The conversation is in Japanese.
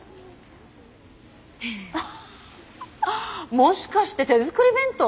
もしかして手作り弁当？